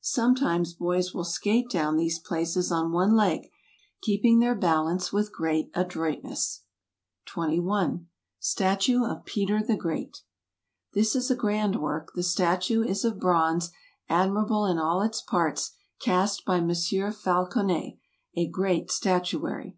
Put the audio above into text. Sometimes boys will skait down these places on one leg, keeping their balance with great adroitness. 21 . Statue of Peter the Great This is a grand work : the statue is of bronze, admirable in all its parts, cast by Mons. Falconet, a great statuary.